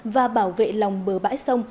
và bảo vệ lòng bờ bãi sông